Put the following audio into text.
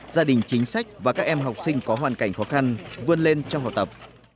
gia đình chính sách và các em học sinh có hoàn cảnh khó khăn vươn lên trong học tập